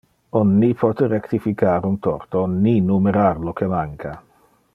On ni pote rectificar un torto, ni numerar lo que manca.